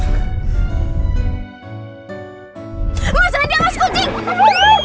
aduh aduh aduh aduh aduh